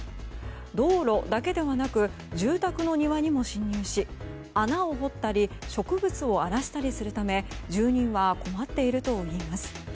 道路だけではなく住宅の庭にも侵入し穴を掘ったり植物を荒らしたりするため住人は困っているといいます。